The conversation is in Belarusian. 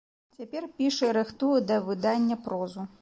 Цяпер піша і рыхтуе да выдання прозу.